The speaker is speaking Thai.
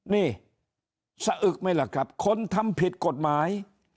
นี่สะอึกไหมล่ะครับคนทำผิดกฎหมาย